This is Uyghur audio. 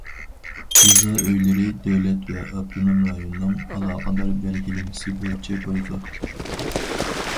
يېزا ئۆيلىرى دۆلەت ۋە ئاپتونوم رايوننىڭ ئالاقىدار بەلگىلىمىسى بويىچە بولىدۇ.